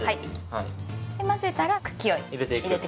混ぜたら茎を入れてください。